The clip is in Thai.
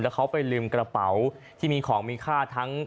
เขาไปลืมกระเป๋าที่มีของมีค่าทั้ง